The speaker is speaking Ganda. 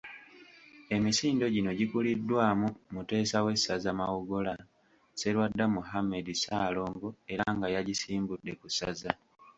Emisinde gino gikuliddwamu Muteesa w'essaza Mawogola, Sserwadda Muhammed Ssaalongo era nga yagisimbudde ku ssaza.